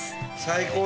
最高。